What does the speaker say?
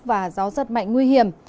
và gió giật mạnh nguy hiểm